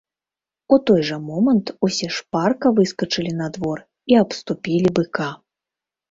У той жа момант усе шпарка выскачылі на двор і абступілі быка.